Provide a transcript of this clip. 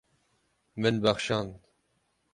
Min bexşand.